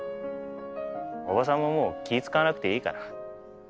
伯母さんももう気ぃ使わなくていいから。